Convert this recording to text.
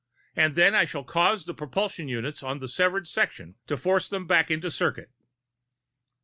And then I shall cause the propulsion units on the severed sections to force them back into circuit."